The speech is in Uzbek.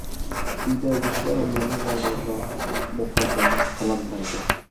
• Uydagi ishlar umumiy maydonda muhokama qilinmaydi.